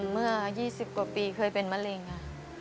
เมื่อ๒๐กว่าปีเคยเป็นมะเร็งค่ะ